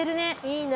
いいね。